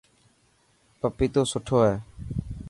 پپيتو سٺو هي.